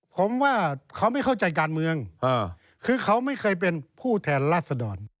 ผมว่าเขาไม่เข้าใจการเมืองคือเขาไม่เคยเป็นผู้แทนราษดร